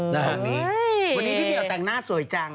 หัวโมนี้พี่เรียวแต่งหน้าสวยจัง